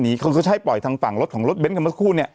หนีก็คือใช้ปล่อยทางฝั่งรถของรถเบนท์คือมันคู่เนี้ย